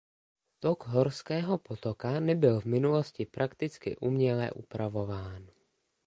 Tok Horského potoka nebyl v minulosti prakticky uměle upravován.